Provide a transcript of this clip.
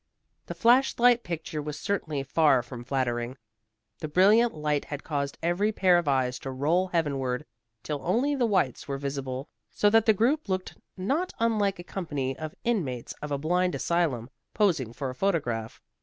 The flash light picture was certainly far from flattering. The brilliant light had caused every pair of eyes to roll heavenward, till only the whites were visible, so that the group looked not unlike a company of inmates of a blind asylum, posing for a photograph.